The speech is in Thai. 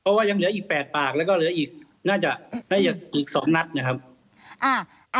เพราะว่ายังเหลืออีก๘ปากแล้วก็เหลืออีก๒นัดนะครับ